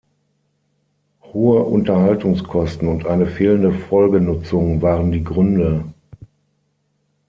Hohe Unterhaltungskosten und eine fehlende Folgenutzung waren die Gründe.